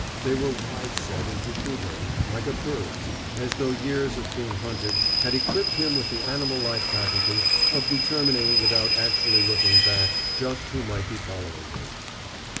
They were wide set and protuberant, like a bird's, as though years of being hunted had equipped him with the animal like faculty of determining without actually looking back just who might be following him.